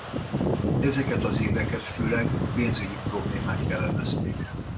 Ezeket az éveket főleg a pénzügyi problémák jellemezték.